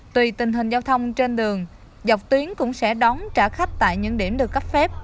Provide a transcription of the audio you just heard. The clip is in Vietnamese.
tùy tình hình giao thông trên đường dọc tuyến cũng sẽ đón trả khách tại những điểm được cấp phép